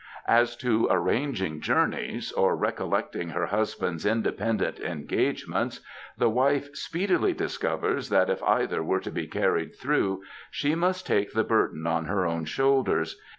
As to arranging journeys or recollecting her husband's independent engagements, the wife speedily discovers that if either are to be carried through she must take the burden on her own shoulders.